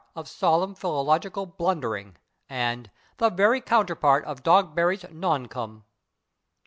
of solemn philological blundering" and "the very counterpart of Dogberry's /non com